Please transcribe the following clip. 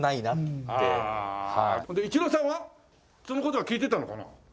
それでイチローさんは？その事は聞いてたのかな？